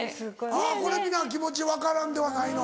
あぁこれ皆気持ち分からんではないの。